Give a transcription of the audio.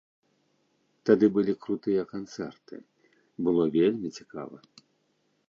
Тады былі крутыя канцэрты, было вельмі цікава.